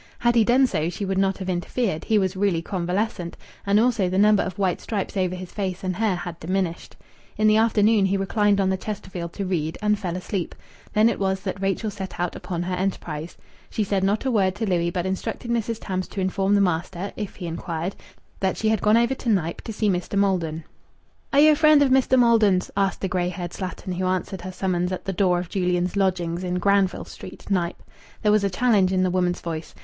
Had he done so she would not have interfered; he was really convalescent, and also the number of white stripes over his face and hair had diminished. In the afternoon he reclined on the Chesterfield to read, and fell asleep. Then it was that Rachel set out upon her enterprise. She said not a word to Louis, but instructed Mrs. Tams to inform the master, if he inquired, that she had gone over to Knype to see Mr. Maldon. "Are you a friend of Mester Maldon's?" asked the grey haired slattern who answered her summons at the door of Julian's lodgings in Granville Street, Knype. There was a challenge in the woman's voice.